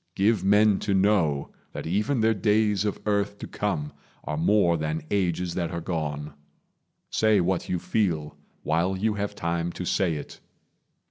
Give men to know that even their days of earth To come are more than ages that are gone. Say what you feel, while you have time to say it.